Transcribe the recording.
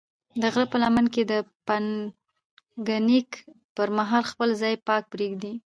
د غره په لمنو کې د پکنیک پر مهال خپل ځای پاک پرېږدئ.